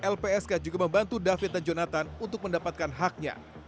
lpsk juga membantu david dan jonathan untuk mendapatkan haknya